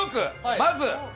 まず。